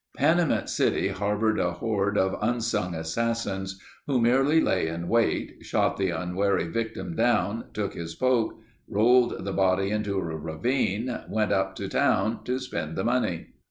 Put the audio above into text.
Panamint City harbored a hoard of unsung assassins who merely lay in wait, shot the unwary victim down, took his poke, rolled the body into a ravine, went up town to spend the money.